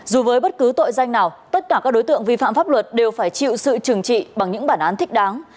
dù với bất cứ tội danh nào tất cả các đối tượng vi phạm pháp luật đều phải chịu sự trừng trị bằng những bản án thích đáng